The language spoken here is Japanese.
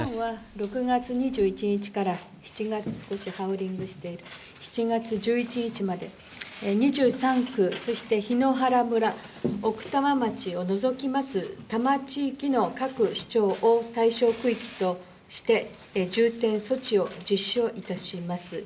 ６月２１日から７月１１日まで、２３区、そして檜原村、奥多摩町を除きます多摩地域の各市町を対象区域として、重点措置を実施をいたします。